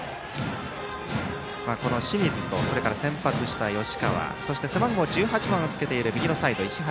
この清水と、先発した吉川そして背番号１８番をつけている右のサイド、石原。